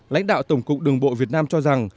lãnh đạo tổng cục đường bộ việt nam cho rằng